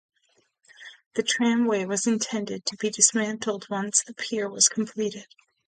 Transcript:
The tramway was intended to be dismantled once the pier was completed.